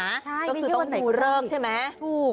ใช่พิธีลงเสาเอกบ้านต้องกูเริ่มใช่ไหม